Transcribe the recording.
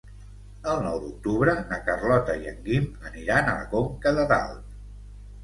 El nou d'octubre na Carlota i en Guim aniran a Conca de Dalt.